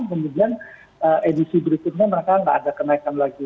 kemudian edisi berikutnya mereka tidak ada kenaikan lagi